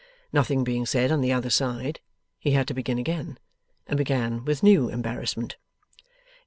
Nothing being said on the other side, he had to begin again, and began with new embarrassment.